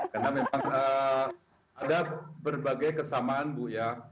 karena memang ada berbagai kesamaan bu ya